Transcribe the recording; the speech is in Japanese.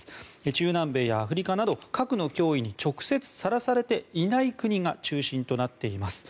中南米やアフリカなど核の脅威に直接さらされていない国が中心となっています。